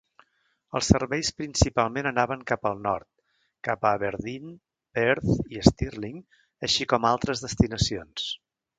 Els serveis principalment anaven cap al nord, cap a Aberdeen, Perth i Stirling, així com altres destinacions.